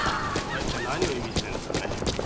これは一体何を意味してるんですかね。